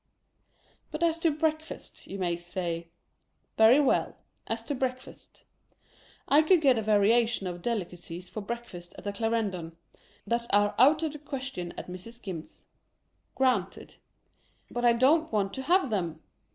But as to breakfast? you may say. — Very well. As to breakfast. I could get a variety of delicacies for breakfast LIVELY TURTLE. 247 at the Clarendon, that are out of the question at Mrs. Skim's. Granted. But I don't want to have them!